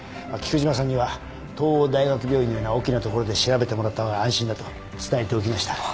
菊島さんには東央大学病院のような大きな所で調べてもらった方が安心だと伝えておきました。